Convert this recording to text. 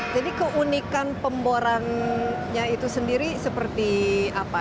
jadi keunikan pemborannya itu sendiri seperti apa